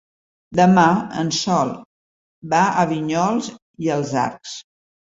Demà en Sol va a Vinyols i els Arcs.